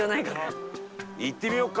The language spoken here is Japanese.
行ってみようか！